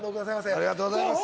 ありがとうございます。